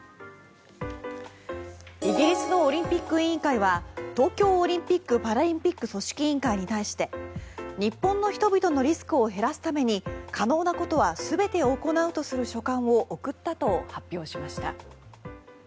イギリスのオリンピック委員会は東京オリンピック・パラリンピック組織委員会に対し日本の人々のリスクを減らすために可能なことは全て行うとする書簡を送ったと発表しました。